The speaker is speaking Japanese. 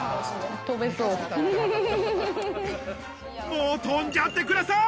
もうとんじゃってください！